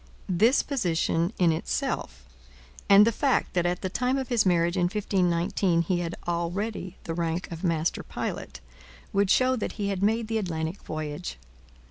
This position in itself, and the fact that at the time of his marriage in 1519 he had already the rank of master pilot, would show that he had made the Atlantic voyage.